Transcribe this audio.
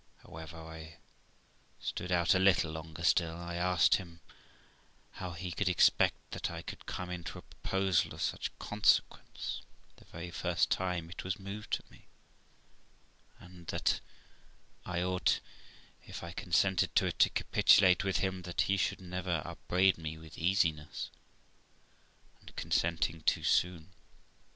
However, I stood out a little longer still. I asked him how he could expect that I could come into a proposal of such consequence the very first time it was moved to me ; and that I ought, if I consented to it, to capitulate with him that he should never upbraid me with easiness and consenting too soon.